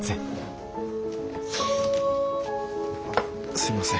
すいません。